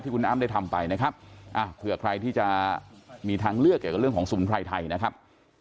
ที่คุณอ้ามได้ทำไปนะครับเผื่อใครที่จะมีทางเลือกเรื่องของศูนย์ไพรไทยนะครับ